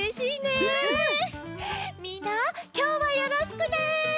みんなきょうはよろしくね。